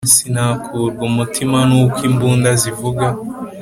sinakurwa umutima n’uko imbunda zivuga